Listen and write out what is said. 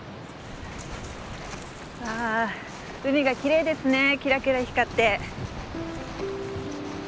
あ海がきれいですねキラキラ光って。